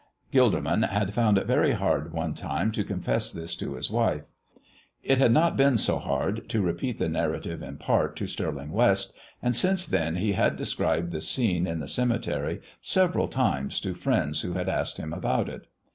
Gilderman had found it very hard one time to confess this to his wife. It had not been so hard to repeat the narrative in part to Stirling West, and since then he had described the scene in the cemetery several times to friends who had asked him about it.